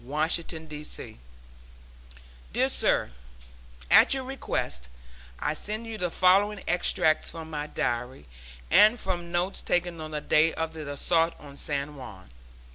Washington, D. C. DEAR SIR: At your request, I send you the following extracts from my diary, and from notes taken on the day of the assault on San Juan.